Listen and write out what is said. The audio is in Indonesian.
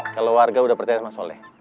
kalau warga sudah percaya sama soleh